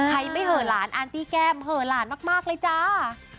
ใครไม่เหลือล้านอันตรีแก้มเหลือล้านมากเลยจ้า